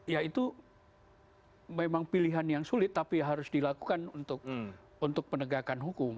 ya itu memang pilihan yang sulit tapi harus dilakukan untuk penegakan hukum